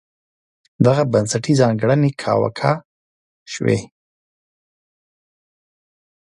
دغه بنسټي ځانګړنې کاواکه شوې.